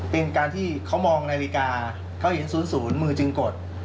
เป็นการที่เขามองนาฬิกาเขาเห็น๐๐มือจึงกด